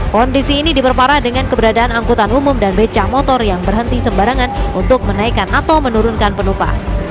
kondisi ini diperparah dengan keberadaan angkutan umum dan beca motor yang berhenti sembarangan untuk menaikkan atau menurunkan penumpang